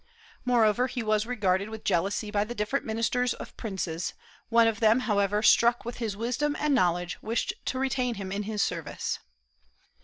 Moreover, he was regarded with jealousy by the different ministers of princes; one of them, however, struck with his wisdom and knowledge, wished to retain him in his service.